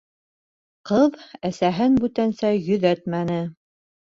Ҡыҙ әсәһен бүтәнсә йөҙәтмәне.